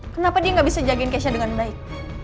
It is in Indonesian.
kenapa dia gak bisa jagain keisha dengan baik